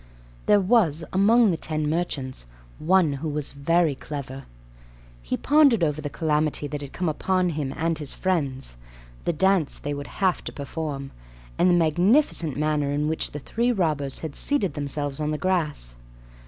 There was, among the ten merchants, one who was very clever. He pondered over the calamity that had come upon him and his friends, the dance they would have to perform, and the magnificent manner in which the three robbers had seated themselves on the grass.